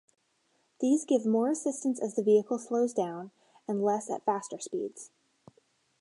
These give more assistance as the vehicle slows down, and less at faster speeds.